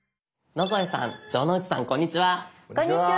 野添さん城之内さんこんにちは。